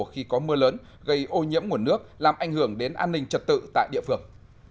khi có mưa lớn gây ô nhiễm nguồn nước làm ảnh hưởng đến an ninh trật tự tại địa phương